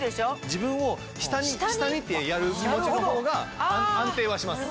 自分を下に下にってやる気持ちのほうが安定はします。